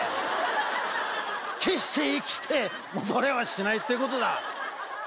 決して生きて戻れはしないってことだ。